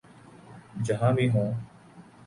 جہاں بھی ہوں۔